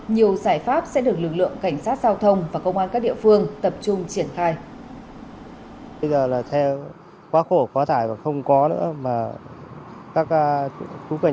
nhiều giải pháp sẽ được lực lượng cảnh sát giao thông và công an các địa phương tập trung triển khai